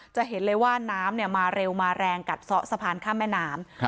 จะเห็นเลยว่าน้ำมาเร็วมาแรงกัดซ่อสะพานข้ามแม่น้ำ